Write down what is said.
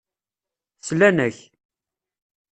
Slan-ak.